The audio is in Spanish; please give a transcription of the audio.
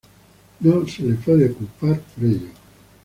No se le puede culpar por ello".